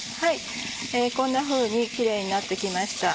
こんなふうにキレイになって来ました。